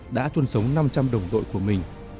đã trôn sống năm trăm linh đồng đội của mình